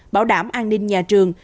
bảo đảm an ninh nhà trường